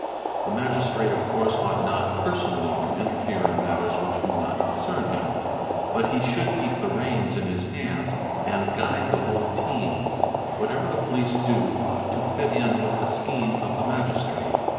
'The Magistrate of course ought not personally to interfere in matters which do not concern him; but he should keep the reins in his hands and guide the whole team; whatever the police do ought to fit in with the scheme of the Magistrate.